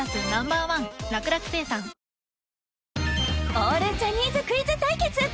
オールジャニーズクイズ対決！